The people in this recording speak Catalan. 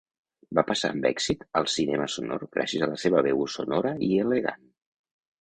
Va passar amb èxit al cinema sonor gràcies a la seva veu sonora i elegant.